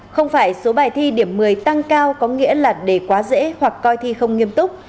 không phải số bài thi điểm một mươi tăng cao có nghĩa là để quá dễ hoặc coi thi không nghiêm túc